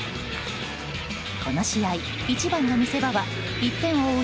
この試合、一番の見せ場は１点を追う